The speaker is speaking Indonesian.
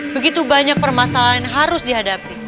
begitu banyak permasalahan yang harus dihadapi